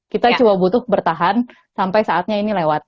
kita cuma butuh bertahan sampai saatnya ini lewat